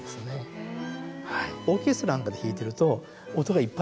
へえ。